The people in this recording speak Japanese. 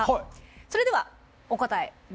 それではお答えどうぞ。